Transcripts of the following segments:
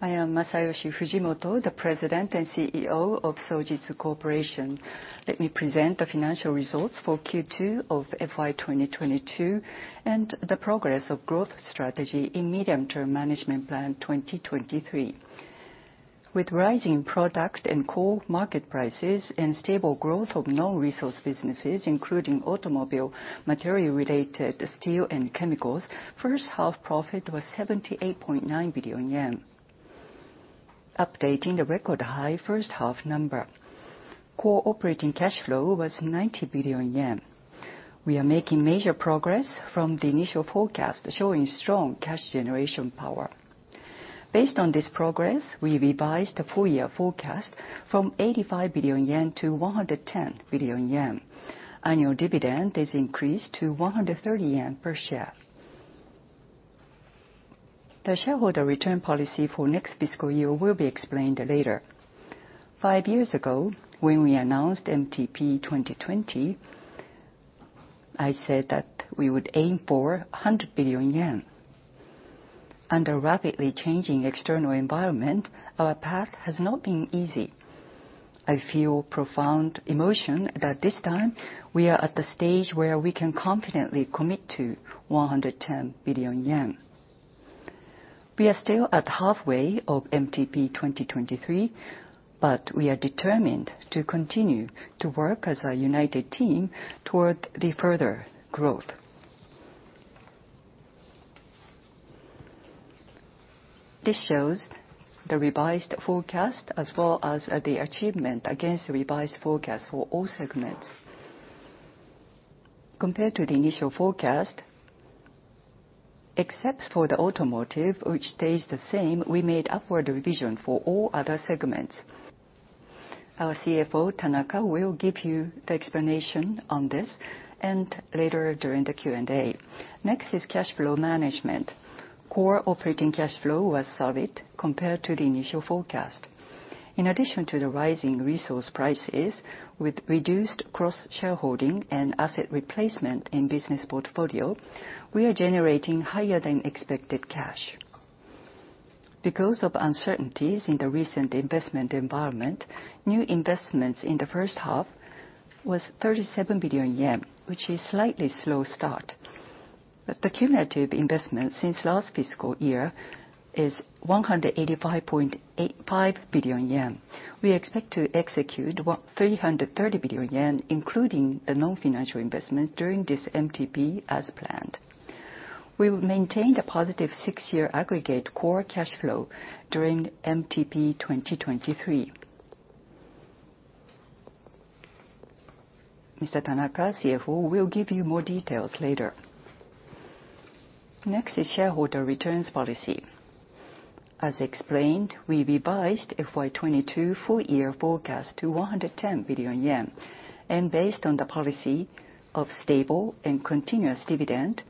I am Masayoshi Fujimoto, the President and CEO of Sojitz Corporation. Let me present the financial results for Q2 of FY2022, and the progress of growth strategy in Medium-Term Management Plan 2023. With rising product and core market prices and stable growth of non-resource businesses, including automobile material related to steel and chemicals, first half profit was 78.9 billion yen, updating the record-high first half number. Core operating cash flow was 90 billion yen. We are making major progress from the initial forecast, showing strong cash generation power. Based on this progress, we revised the full year forecast from 85 billion yen to 110 billion yen. Annual dividend is increased to 130 yen per share. The shareholder return policy for next fiscal year will be explained later. Five years ago, when we announced MTP 2020, I said that we would aim for 100 billion yen. Under rapidly changing external environment, our path has not been easy. I feel profound emotion that this time we are at the stage where we can confidently commit to 110 billion yen. We are still at halfway of MTP 2023, but we are determined to continue to work as a united team toward the further growth. This shows the revised forecast as well as the achievement against the revised forecast for all segments. Compared to the initial forecast, except for the automotive, which stays the same, we made upward revision for all other segments. Our CFO, Tanaka, will give you the explanation on this and later during the Q&A. Next is cash flow management. Core operating cash flow was solid compared to the initial forecast. In addition to the rising resource prices, with reduced cross-shareholding and asset replacement in business portfolio, we are generating higher than expected cash. Because of uncertainties in the recent investment environment, new investments in the first half was 37 billion yen, which is slightly slow start. The cumulative investment since last fiscal year is 185.85 billion yen. We expect to execute 330 billion yen, including the non-financial investments during this MTP as planned. We will maintain the positive six-year aggregate core cash flow during MTP 2023. Mr. Seiichi Tanaka, CFO, will give you more details later. Next is shareholder returns policy. As explained, we revised FY 2022 full year forecast to 110 billion yen. Based on the policy of stable and continuous dividend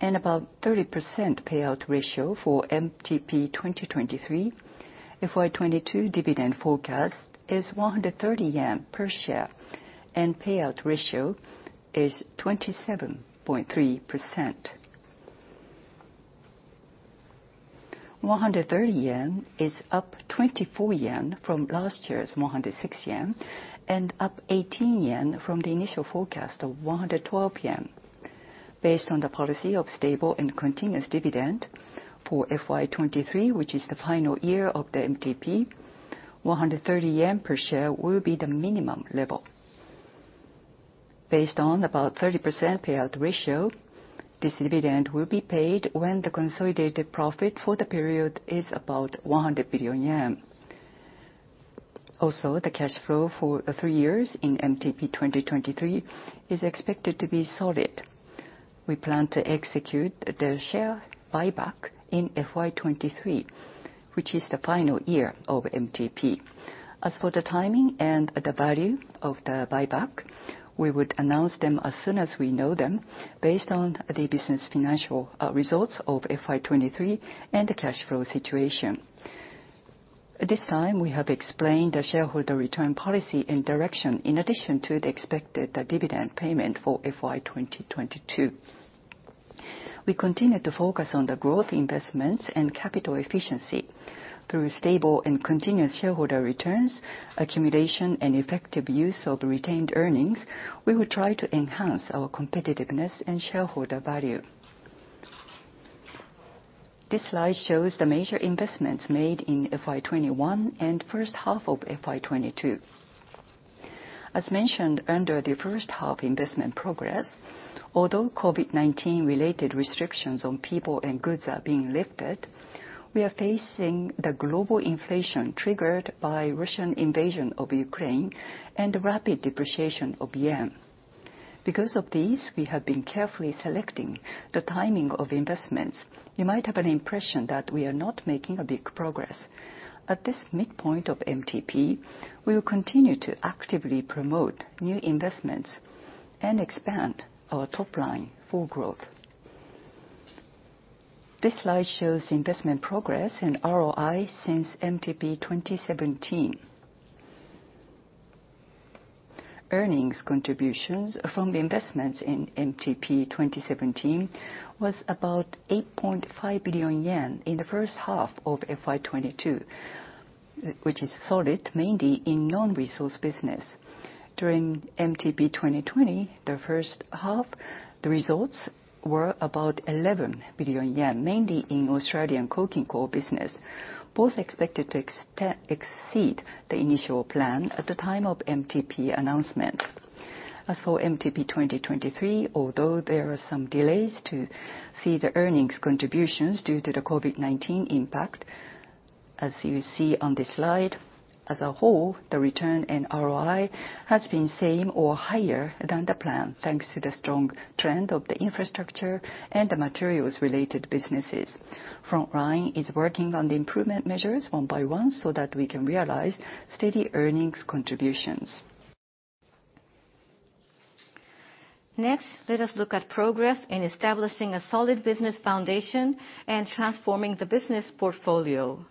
and about 30% payout ratio for MTP 2023, FY 2022 dividend forecast is 130 yen per share, and payout ratio is 27.3%. JPY 130 is up 24 yen from last year's 106 yen, and up 18 yen from the initial forecast of 112 yen. Based on the policy of stable and continuous dividend for FY 2023, which is the final year of the MTP, 130 yen per share will be the minimum level. Based on about 30% payout ratio, this dividend will be paid when the consolidated profit for the period is about 100 billion yen. Also, the cash flow for three years in MTP 2023 is expected to be solid. We plan to execute the share buyback in FY 2023, which is the final year of MTP. As for the timing and the value of the buyback, we would announce them as soon as we know them based on the business and financial results of FY 2023 and the cash flow situation. This time, we have explained the shareholder return policy and direction in addition to the expected dividend payment for FY 2022. We continue to focus on the growth investments and capital efficiency. Through stable and continuous shareholder returns, accumulation and effective use of retained earnings, we will try to enhance our competitiveness and shareholder value. This slide shows the major investments made in FY 2021 and first half of FY 2022. As mentioned under the first half investment progress, although COVID-19 related restrictions on people and goods are being lifted, we are facing the global inflation triggered by Russian invasion of Ukraine and rapid depreciation of yen. Because of this, we have been carefully selecting the timing of investments. You might have an impression that we are not making a big progress. At this midpoint of MTP, we will continue to actively promote new investments and expand our top line for growth. This slide shows investment progress and ROI since MTP 2017. Earnings contributions from the investments in MTP 2017 was about 8.5 billion yen in the first half of FY 2022, which is solid mainly in non-resource business. During MTP 2020, the first half, the results were about 11 billion yen, mainly in Australian coking coal business. Both expected to exceed the initial plan at the time of MTP announcement. As for MTP 2023, although there are some delays to see the earnings contributions due to the COVID-19 impact, as you see on this slide, as a whole, the return in ROI has been same or higher than the plan, thanks to the strong trend of the infrastructure and the materials related businesses. Front line is working on the improvement measures one by one so that we can realize steady earnings contributions. Next, let us look at progress in establishing a solid business foundation and transforming the business portfolio.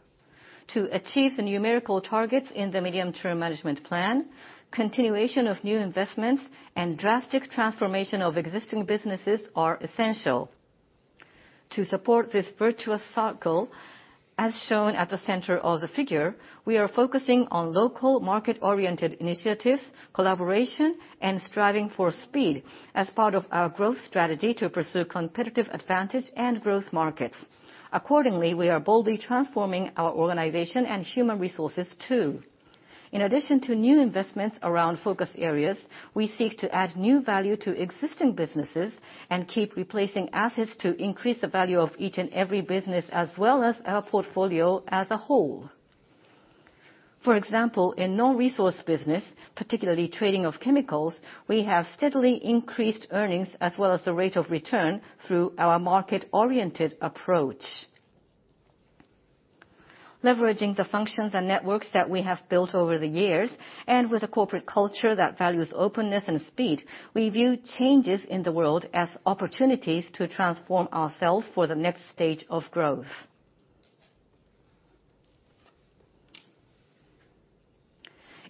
To achieve the numerical targets in the medium-term management plan, continuation of new investments and drastic transformation of existing businesses are essential. To support this virtuous cycle, as shown at the center of the figure, we are focusing on local market-oriented initiatives, collaboration, and striving for speed as part of our growth strategy to pursue competitive advantage and growth markets. Accordingly, we are boldly transforming our organization and human resources, too. In addition to new investments around focus areas, we seek to add new value to existing businesses and keep replacing assets to increase the value of each and every business, as well as our portfolio as a whole. For example, in non-resource business, particularly trading of chemicals, we have steadily increased earnings as well as the rate of return through our market-oriented approach. Leveraging the functions and networks that we have built over the years, and with a corporate culture that values openness and speed, we view changes in the world as opportunities to transform ourselves for the next stage of growth.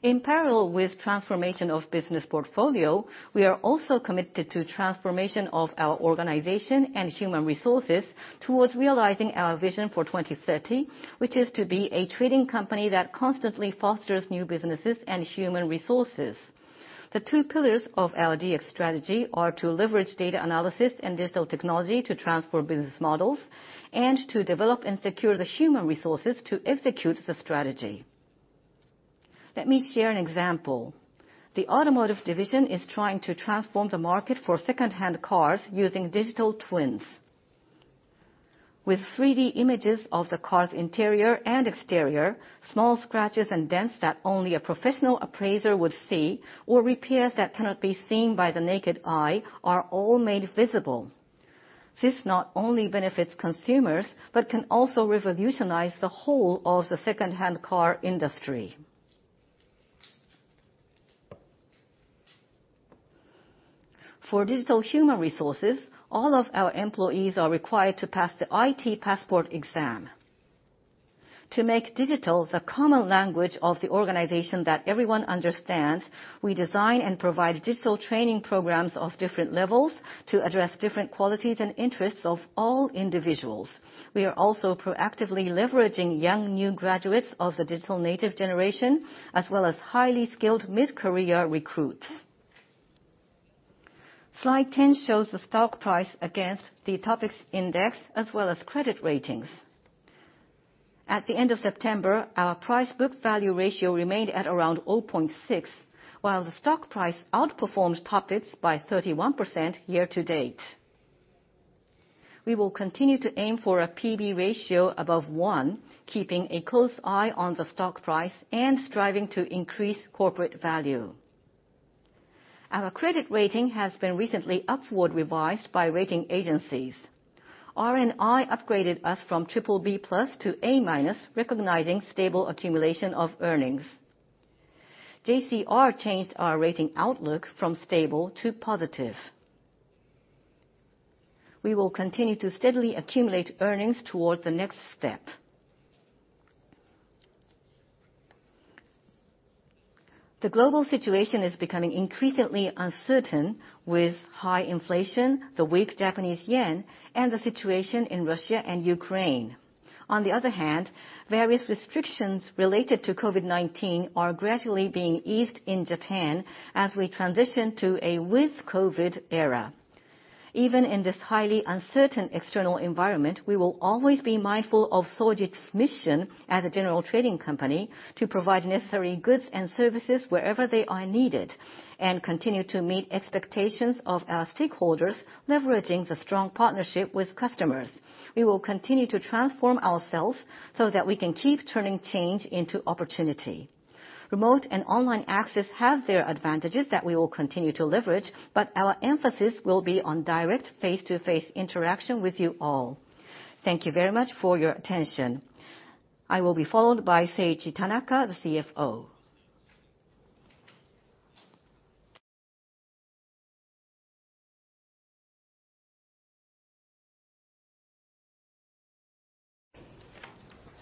In parallel with transformation of business portfolio, we are also committed to transformation of our organization and human resources towards realizing our vision for 2030, which is to be a trading company that constantly fosters new businesses and human resources. The two pillars of our DX strategy are to leverage data analysis and digital technology to transform business models, and to develop and secure the human resources to execute the strategy. Let me share an example. The automotive division is trying to transform the market for secondhand cars using digital twins. With 3D images of the car's interior and exterior, small scratches and dents that only a professional appraiser would see, or repairs that cannot be seen by the naked eye are all made visible. This not only benefits consumers, but can also revolutionize the whole of the secondhand car industry. For digital human resources, all of our employees are required to pass the IT Passport exam. To make digital the common language of the organization that everyone understands, we design and provide digital training programs of different levels to address different qualities and interests of all individuals. We are also proactively leveraging young new graduates of the digital native generation, as well as highly skilled mid-career recruits. Slide 10 shows the stock price against the TOPIX index, as well as credit ratings. At the end of September, our price-to-book value ratio remained at around 0.6, while the stock price outperformed TOPIX by 31% year-to-date. We will continue to aim for a PB ratio above 1, keeping a close eye on the stock price and striving to increase corporate value. Our credit rating has been recently upward revised by rating agencies. R&I upgraded us from BBB+ to A-, recognizing stable accumulation of earnings. JCR changed our rating outlook from stable to positive. We will continue to steadily accumulate earnings towards the next step. The global situation is becoming increasingly uncertain with high inflation, the weak Japanese yen, and the situation in Russia and Ukraine. On the other hand, various restrictions related to COVID-19 are gradually being eased in Japan as we transition to a with-COVID era. Even in this highly uncertain external environment, we will always be mindful of Sojitz's mission as a general trading company to provide necessary goods and services wherever they are needed, and continue to meet expectations of our stakeholders, leveraging the strong partnership with customers. We will continue to transform ourselves so that we can keep turning change into opportunity. Remote and online access have their advantages that we will continue to leverage, but our emphasis will be on direct face-to-face interaction with you all. Thank you very much for your attention. I will be followed by Seiichi Tanaka, the CFO.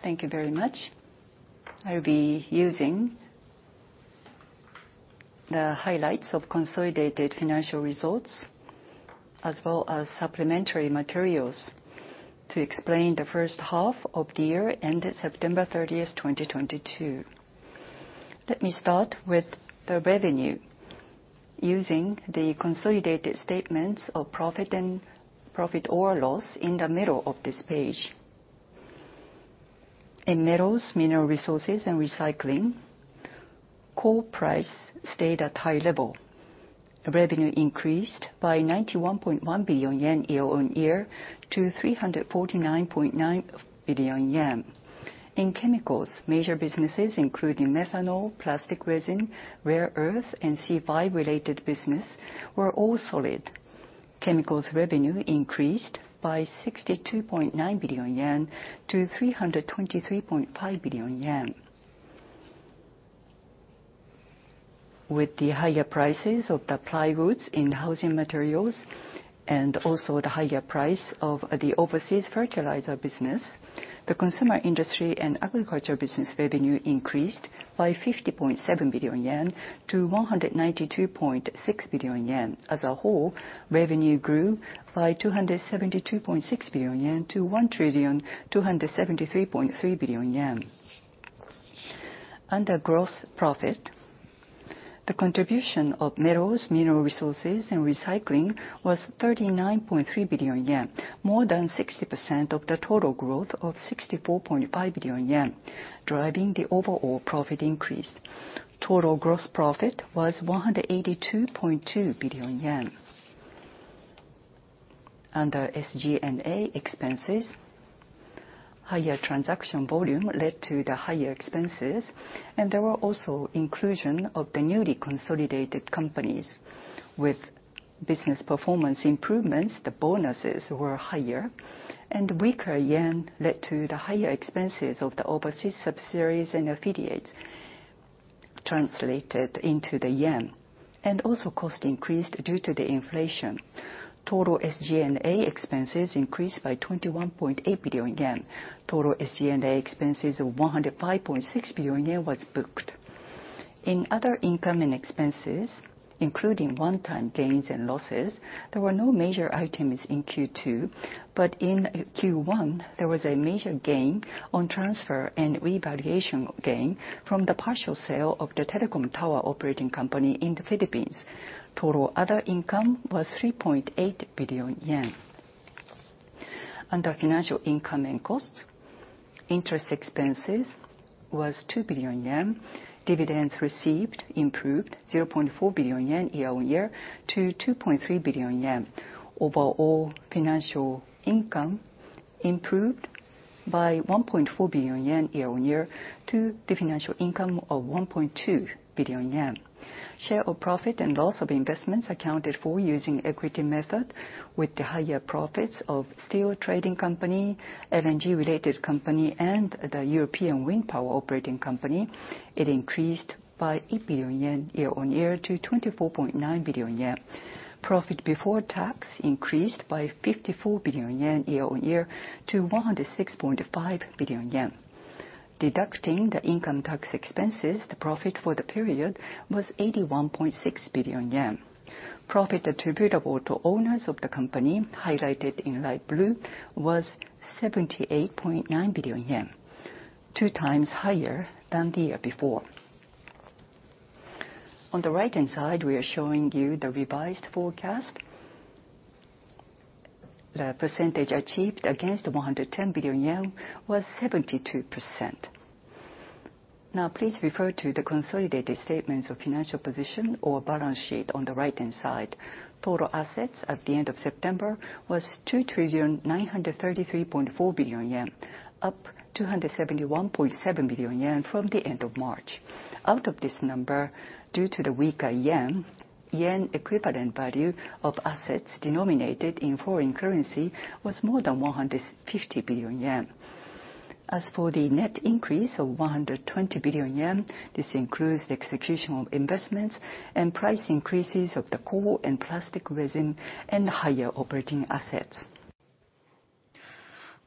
Thank you very much. I'll be using the highlights of consolidated financial results, as well as supplementary materials to explain the first half of the year ended September 30th, 2022. Let me start with the revenue using the consolidated statements of profit and profit or loss in the middle of this page. In Metals, Mineral Resources & Recycling, coal price stayed at high-level. Revenue increased by 91.1 billion yen year-over-year to 349.9 billion yen. In Chemicals, major businesses, including methanol, plastic resin, rare earth, and C5-related business were all solid. Chemicals revenue increased by 62.9 billion yen to 323.5 billion yen. With the higher prices of the plywoods in housing materials and also the higher price of the overseas fertilizer business, the consumer industry and agriculture business revenue increased by 50.7 billion yen to 192.6 billion yen. As a whole, revenue grew by 272.6 billion yen to 1,273.3 billion yen. Under gross profit, the contribution of Metals, Mineral Resources, & Recycling was 39.3 billion yen, more than 60% of the total growth of 64.5 billion yen, driving the overall profit increase. Total gross profit was 182.2 billion yen. Under SG&A expenses, higher transaction volume led to the higher expenses, and there were also inclusion of the newly consolidated companies. With business performance improvements, the bonuses were higher, and weaker yen led to the higher expenses of the overseas subsidiaries and affiliates translated into the yen. Also cost increased due to the inflation. Total SG&A expenses increased by 21.8 billion yen. Total SG&A expenses of 105.6 billion yen was booked. In other income and expenses, including one-time gains and losses, there were no major items in Q2. In Q1, there was a major gain on transfer and revaluation gain from the partial sale of the telecom tower operating company in the Philippines. Total other income was 3.8 billion yen. Under financial income and costs, interest expenses was 2 billion yen. Dividends received improved 0.4 billion yen year-on-year to 2.3 billion yen. Overall financial income improved by 1.4 billion yen year-on-year to the financial income of 1.2 billion yen. Share of profit and loss of investments accounted for using equity method with the higher profits of steel trading company, LNG-related company, and the European wind power operating company, it increased by 8 billion yen year-on-year to 24.9 billion yen. Profit before tax increased by 54 billion yen year-on-year to 106.5 billion yen. Deducting the income tax expenses, the profit for the period was 81.6 billion yen. Profit attributable to owners of the company, highlighted in light blue, was 78.9 billion yen, 2x higher than the year before. On the right-hand side, we are showing you the revised forecast. The percentage achieved against 110 billion yen was 72%. Now please refer to the consolidated statements of financial position or balance sheet on the right-hand side. Total assets at the end of September was 2,933.4 billion yen, up 271.7 billion yen from the end of March. Out of this number, due to the weaker yen equivalent value of assets denominated in foreign currency was more than 150 billion yen. As for the net increase of 120 billion yen, this includes the execution of investments and price increases of the coal and plastic resin and higher operating assets.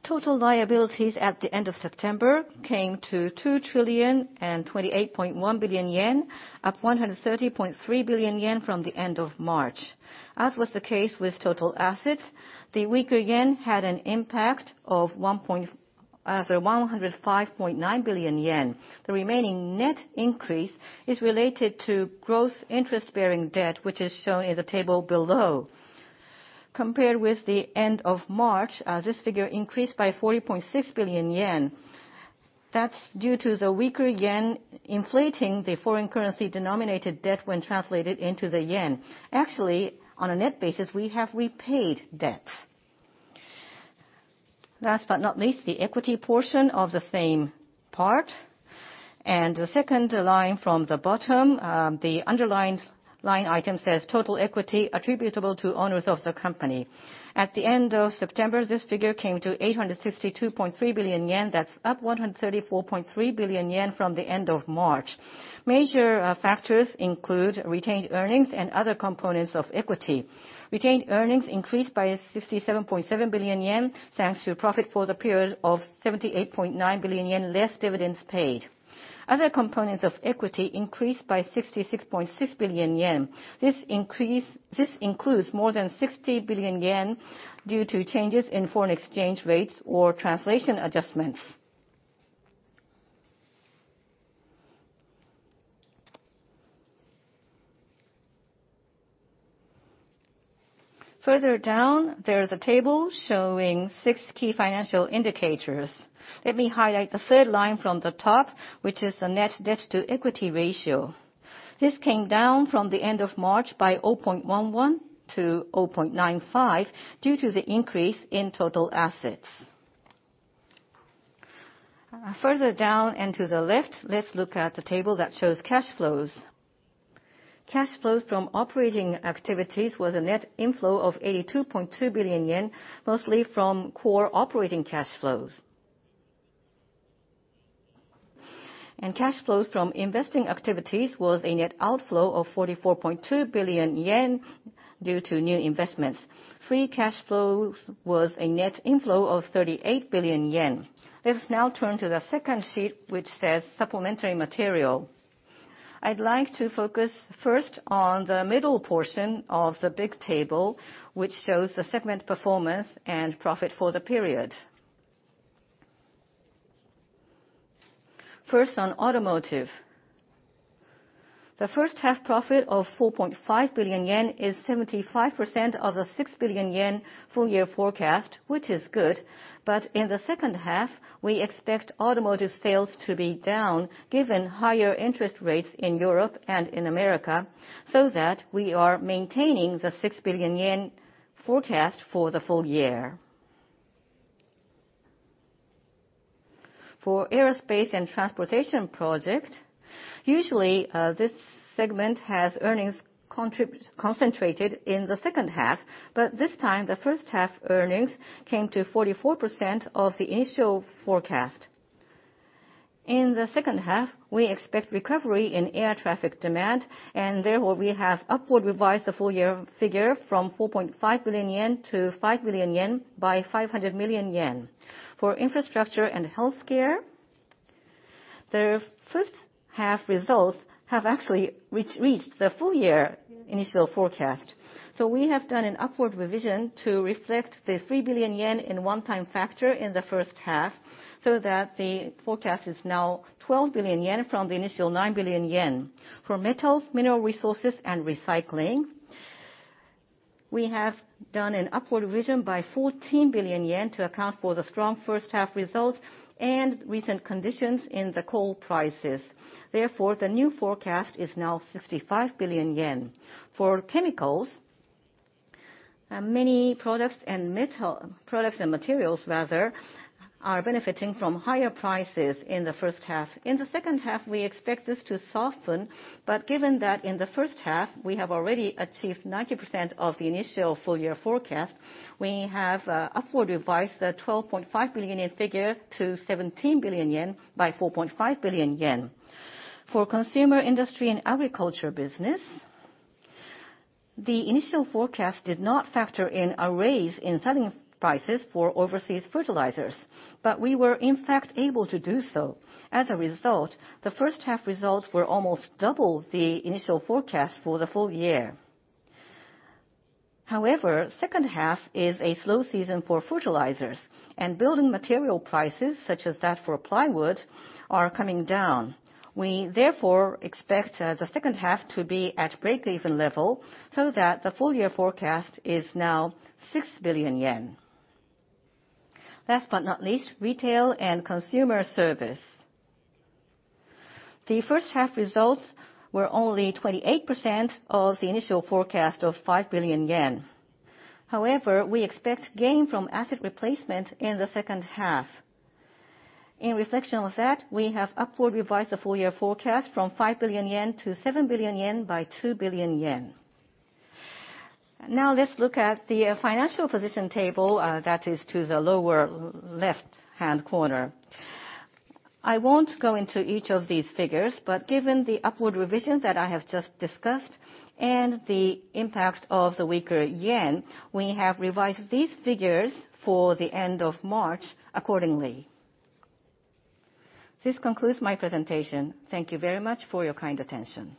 Total liabilities at the end of September came to 2,028.1 billion yen, up 130.3 billion yen from the end of March. As was the case with total assets, the weaker yen had an impact of 105.9 billion yen. The remaining net increase is related to gross interest-bearing debt, which is shown in the table below. Compared with the end of March, this figure increased by 40.6 billion yen. That's due to the weaker yen inflating the foreign currency denominated debt when translated into the yen. Actually, on a net basis, we have repaid debts. Last but not least, the equity portion of the same part. The second line from the bottom, the underlined line item says total equity attributable to owners of the company. At the end of September, this figure came to 862.3 billion yen. That's up 134.3 billion yen from the end of March. Major factors include retained earnings and other components of equity. Retained earnings increased by 67.7 billion yen, thanks to profit for the period of 78.9 billion yen, less dividends paid. Other components of equity increased by 66.6 billion yen. This includes more than 60 billion yen due to changes in foreign exchange rates or translation adjustments. Further down, there is a table showing six key financial indicators. Let me highlight the third line from the top, which is the net debt-to-equity ratio. This came down from the end of March by 0.11 to 0.95 due to the increase in total assets. Further down and to the left, let's look at the table that shows cash flows. Cash flows from operating activities was a net inflow of 82.2 billion yen, mostly from core operating cash flows. Cash flows from investing activities was a net outflow of 44.2 billion yen due to new investments. Free cash flows was a net inflow of 38 billion yen. Let's now turn to the second sheet, which says supplementary material. I'd like to focus first on the middle portion of the big table, which shows the segment performance and profit for the period. First, on Automotive. The first-half profit of 4.5 billion yen is 75% of the 6 billion yen full year forecast, which is good. In the second half, we expect Automotive sales to be down given higher interest rates in Europe and in America, so that we are maintaining the 6 billion yen forecast for the full year. For Aerospace & Transportation Project, usually, this segment has earnings concentrated in the second half, but this time, the first-half earnings came to 44% of the initial forecast. In the second half, we expect recovery in air traffic demand, and therefore, we have upward revised the full year figure from 4.5 billion yen to 5 billion yen by 500 million yen. For Infrastructure & Healthcare, their first-half results have actually reached the full year initial forecast. We have done an upward revision to reflect the 3 billion yen in one-time factor in the first half so that the forecast is now 12 billion yen from the initial 9 billion yen. For Metals, Mineral Resources & Recycling, we have done an upward revision by 14 billion yen to account for the strong first-half results and recent conditions in the coal prices. Therefore, the new forecast is now 65 billion yen. For Chemicals, many products and metal products and materials, rather, are benefiting from higher prices in the first half. In the second half, we expect this to soften, but given that in the first half we have already achieved 90% of the initial full year forecast, we have upward revised the 12.5 billion yen figure to 17 billion yen by 4.5 billion yen. For Consumer Industry & Agriculture Business, the initial forecast did not factor in a raise in selling prices for overseas fertilizers, but we were in fact able to do so. As a result, the first-half results were almost double the initial forecast for the full year. However, second half is a slow season for fertilizers, and building material prices such as that for plywood are coming down. We therefore expect the second half to be at break-even level so that the full year forecast is now 6 billion yen. Last but not least, Retail & Consumer Service. The first-half results were only 28% of the initial forecast of 5 billion yen. However, we expect gain from asset replacement in the second half. In reflection of that, we have upward revised the full year forecast from 5 billion yen to 7 billion yen by 2 billion yen. Now let's look at the financial position table that is to the lower left-hand corner. I won't go into each of these figures, but given the upward revisions that I have just discussed and the impact of the weaker yen, we have revised these figures for the end of March accordingly. This concludes my presentation. Thank you very much for your kind attention.